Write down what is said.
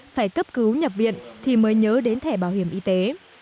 phải cấp cứu nhập viện thì mới nhớ đến thẻ bảo hiểm y tế